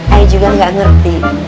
ayah juga gak ngerti